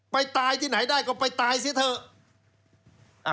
ไปตายที่ไหนได้ก็ไปตายเสียเถอะ